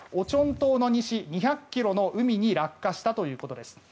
島の西２００ｋｍの海に落下したということです。